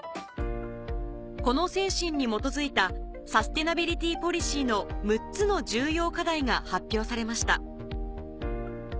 この精神に基づいたサステナビリティポリシーの６つの重要課題が発表されました